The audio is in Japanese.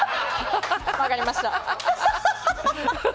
分かりました。